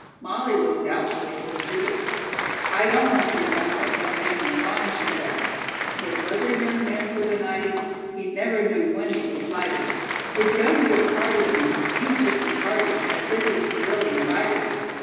Molly looked doubtfully toward Judith. "I don't want to be like that young man in the rhyme," she said. "'There was a young man so benighted, He never knew when he was slighted. He'd go to a party and eat just as hearty, As if he'd been really invited.'"